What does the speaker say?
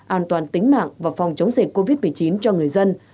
an toàn tính mạng và phòng chống dịch covid một mươi chín cho người dân